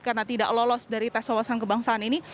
karena tidak lolos dari tes wawasan kebangsaan ini